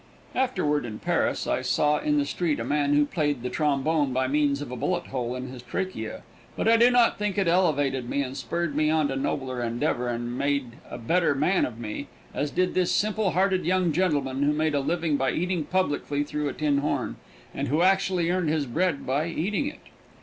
Afterward, in Paris, I saw on the street a man who played the trombone by means of a bullet hole in his trachea, but I do not think it elevated me and spurred me on to nobler endeavor and made a better man of me, as did this simple hearted young gentleman who made a living by eating publicly through a tin horn, and who actually earned his bread by eating it.